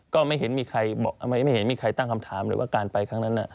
ก็ไม่เห็นมีใครตั้งคำถามเลยว่าการไปครั้งนั้นน่ะ